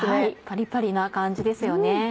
パリパリな感じですよね。